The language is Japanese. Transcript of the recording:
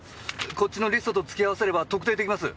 こっちのリストつきあわせれば特定できます！